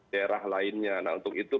daerah lainnya nah untuk itu